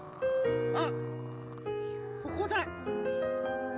あっここだ。